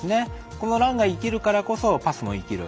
このランが生きるからこそパスも生きる。